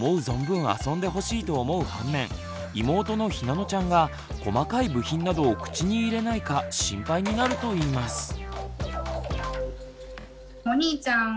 存分遊んでほしいと思う反面妹のひなのちゃんが細かい部品などを口に入れないか心配になるといいます。